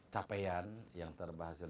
capaian yang terhasil